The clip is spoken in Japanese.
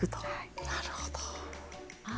なるほど。